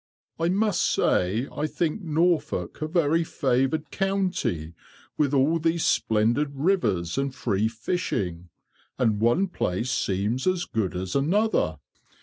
"I must say I think Norfolk a very favoured county, with all these splendid rivers and free fishing; and one place seems as good as another."